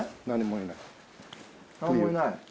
何もいない